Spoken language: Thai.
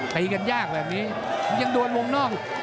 ตีกันยากแบบนี้ยังโดนวงนอก